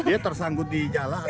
dia tersangkut di jalan